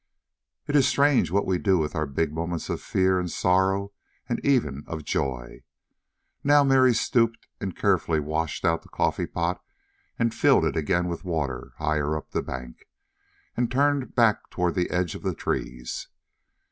It is strange what we do with our big moments of fear and sorrow and even of joy. Now Mary stooped and carefully washed out the coffeepot, and filled it again with water higher up the bank; and turned back toward the edge of the trees.